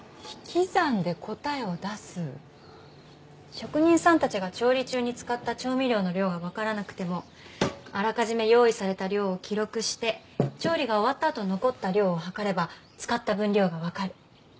職人さんたちが調理中に使った調味料の量がわからなくてもあらかじめ用意された量を記録して調理が終わったあと残った量を量れば使った分量がわかる。